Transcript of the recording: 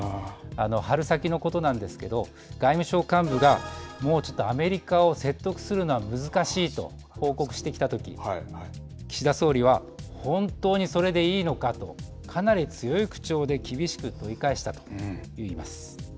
春先のことなんですけど外務省幹部がもう、ちょっとアメリカを説得するのは難しいと報告してきたとき岸田総理は本当にそれでいいのかとかなり強い口調で厳しく問い返したと言います。